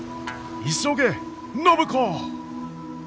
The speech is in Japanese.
急げ暢子！